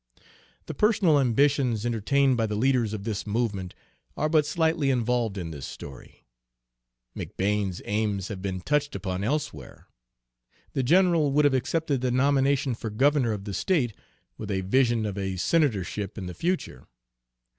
The personal ambitions entertained by the leaders of this movement are but slightly involved in this story. McBane's aims have been touched upon elsewhere. The general would have accepted the nomination for governor of the state, with a vision of a senatorship in the future.